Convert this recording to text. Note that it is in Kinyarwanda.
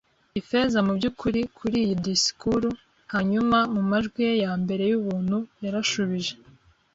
Ifeza mubyukuri kuriyi disikuru. Hanyuma, mumajwi ye yambere yubuntu, yarashubije